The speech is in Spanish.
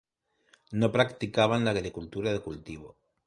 No practicaban la agricultura de cultivo.